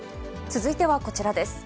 続いてはこちらです。